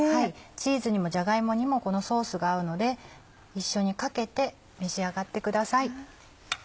チーズにもじゃが芋にもこのソースが合うので一緒にかけて召し上がってください。